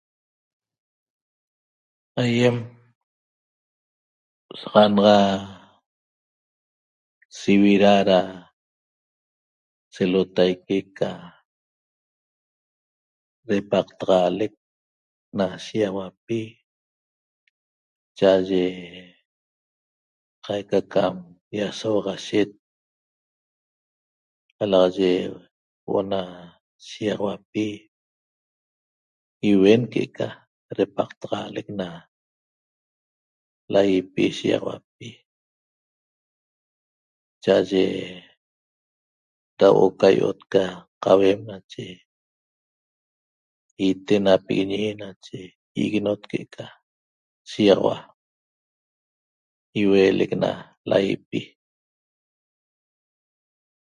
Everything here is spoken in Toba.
Aiem saxanaxa sivira ra selotaique ca repaqtaxalec na shigaxauapi cha'aye qaica cam iasohuaxashet qalaxaye huo'o na shigaxauapi iuen que'eca repaqtaxalec na laipi shigaxauapi cha'aye ra huo'o ca io'ot ca qauem nache itenapiguiñi iguinot que'eca shigaxauapi iuelec na laipi